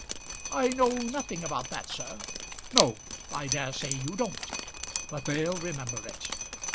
"I know nothing about that, sir." "No; I dare say you don't; but they'll remember it.